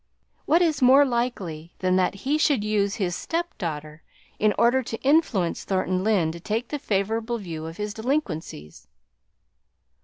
What is more likely than that he should use his step daughter in order to influence Thornton Lyne to take the favourable view of his delinquencies?"